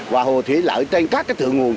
và hồ thủy lở trên các cái thượng nguồn